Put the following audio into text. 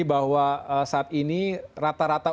bahwa saat ini rata rata